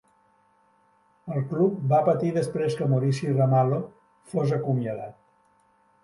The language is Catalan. El club va patir després que Muricy Ramalho fos acomiadat.